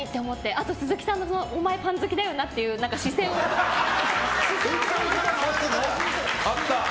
あと鈴木さんのお前パン好きだよなって視線を感じました。